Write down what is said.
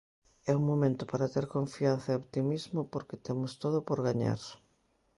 É un momento para ter confianza e optimismo porque temos todo por gañar.